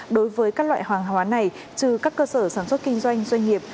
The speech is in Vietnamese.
đối với các loại hoàng hóa này trừ các cơ sở sản xuất kinh doanh doanh nghiệp